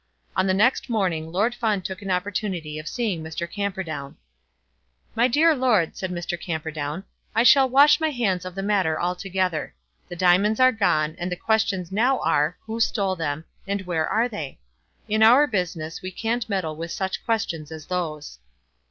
On the next morning Lord Fawn took an opportunity of seeing Mr. Camperdown. "My dear lord," said Mr. Camperdown, "I shall wash my hands of the matter altogether. The diamonds are gone, and the questions now are, who stole them, and where are they? In our business we can't meddle with such questions as those."